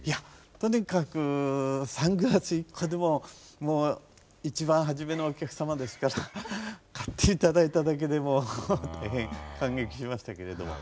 とにかくサングラス１個でももう一番初めのお客様ですから買って頂いただけでも大変感激しましたけれども。